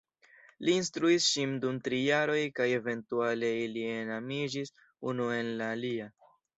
Li instruis ŝin dum tri jaroj kaj eventuale ili enamiĝis unu en la alia.